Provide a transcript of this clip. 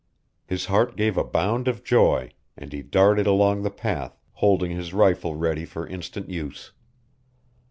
His heart gave a bound of joy, and he darted along the path, holding his rifle ready for instant use.